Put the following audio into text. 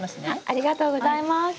ありがとうございます。